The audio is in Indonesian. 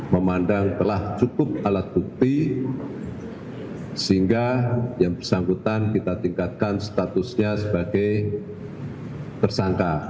memandang telah cukup alat bukti sehingga yang bersangkutan kita tingkatkan statusnya sebagai tersangka